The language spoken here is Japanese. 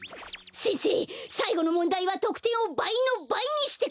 せんせいさいごのもんだいはとくてんをばいのばいにしてください。